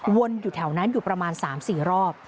อยู่แถวนั้นอยู่ประมาณ๓๔รอบ